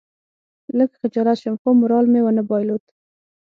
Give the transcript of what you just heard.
لږ خجالت شوم خو مورال مې ونه بایلود.